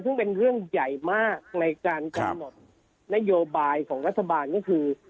ซึ่งเป็นเรื่องใหญ่มากในการกำหนดนโยบายของรัฐบาลก็คือ